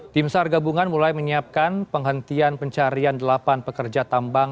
tim sar gabungan mulai menyiapkan penghentian pencarian delapan pekerja tambang